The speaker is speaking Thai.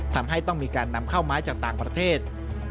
ทำให้ต้องมีการนำเข้าไม้จากต่างประเทศ